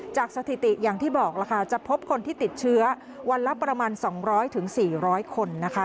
สถิติอย่างที่บอกล่ะค่ะจะพบคนที่ติดเชื้อวันละประมาณ๒๐๐๔๐๐คนนะคะ